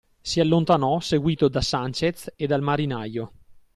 Si allontanò seguito da Sanchez e dal marinaio.